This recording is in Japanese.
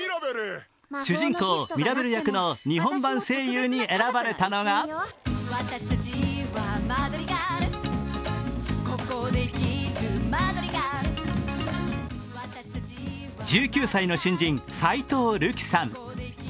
主人公ミラベル役の日本版声優に選ばれたのが１９歳の新人、齋藤瑠希さん。